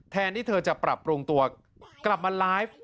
แทนที่เธอจะปรับปรุงตัวกลับมาไลฟ์